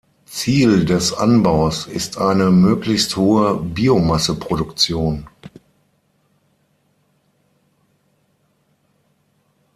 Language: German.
Ziel des Anbaus ist eine möglichst hohe Biomasseproduktion.